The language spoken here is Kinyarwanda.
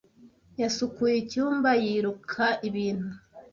Yasukuye icyumba, yiruka ibintu.